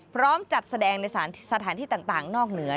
พร้อมจัดแสดงในสถานที่ต่างนอกเหนือ